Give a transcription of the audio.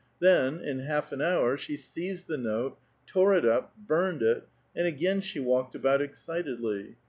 Then, in half an hour, she seized the note, tore it up, burned it, and again she walked al>out excitedly.